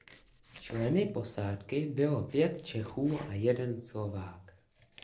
Členy posádky bylo pět Čechů a jeden Slovák.